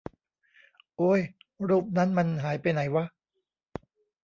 โอ๊ยรูปนั้นมันหายไปไหนวะ